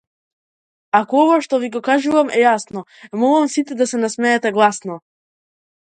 Ако ова што ви го кажувам е јасно молам сите да се насмеете гласно.